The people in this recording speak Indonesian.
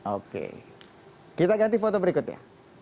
oke kita ganti foto berikutnya